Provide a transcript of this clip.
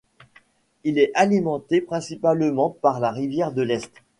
Il est alimenté principalement par la rivière de l'Est.